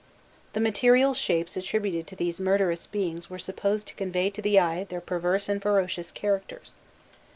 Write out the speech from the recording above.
The material shapes attributed to these murderous beings were supposed to convey to the eye their perverse and ferocious characters.